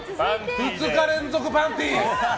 ２日連続パンティー！